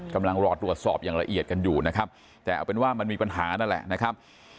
กำลังรอตรวจสอบอย่างละเอียดกันอยู่นะครับแต่เอาเป็นว่ามันมีปัญหานั่นแหละนะครับ